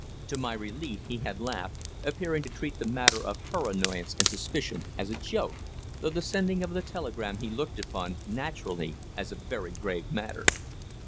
To my relief he had laughed, appearing to treat the matter of her annoyance and suspicion as a joke, though the sending of the telegram he looked upon, naturally, as a very grave matter.